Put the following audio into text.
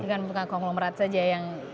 bukan konglomerat saja yang